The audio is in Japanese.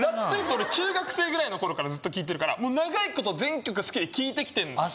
俺中学生ぐらいのころからずっと聴いてるから長いこと全曲好きで聴いてきてんのよ